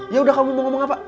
ya udah kamu mau ngomong apa